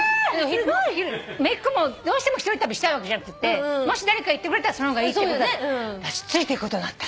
すごい！めいっ子もどうしても一人旅したいわけじゃなくてもし誰か行ってくれたらその方がいいってことで私ついていくことになったの。